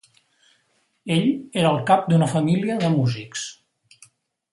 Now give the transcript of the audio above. Ell era el cap d'una família de músics.